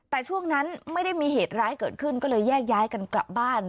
แต่ช่วงนั้นไม่ได้มีเหตุร้ายเกิดขึ้นก็เลยแยกย้ายกันกลับบ้าน